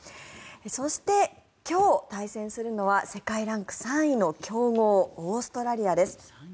そして、今日対戦するのは世界ランク３位の強豪オーストラリアです。